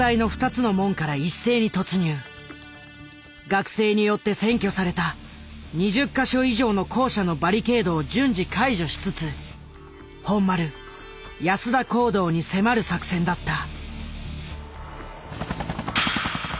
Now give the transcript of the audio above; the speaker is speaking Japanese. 学生によって占拠された２０か所以上の校舎のバリケードを順次解除しつつ本丸安田講堂に迫る作戦だった。